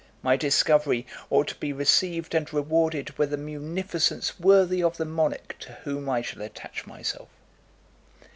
My discovery ought to be received and rewarded with a munificence worthy of the monarch to whom I shall attach myself."